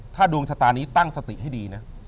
ถ้าดวงชะตานี้ตั้งสติให้ดีนะ